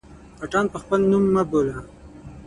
_غټان په خپل نوم مه بوله!